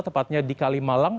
tepatnya di kalimalang